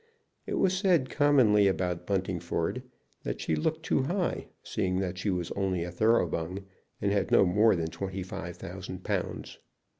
It was said commonly about Buntingford that she looked too high, seeing that she was only a Thoroughbung and had no more than twenty five thousand pounds.